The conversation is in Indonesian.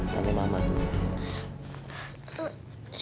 tanya mama dulu